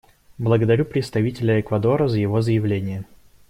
Благодарю представителя Эквадора за его заявление.